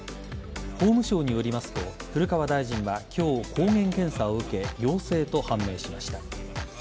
法務省によりますと古川大臣は今日、抗原検査を受け陽性と判明しました。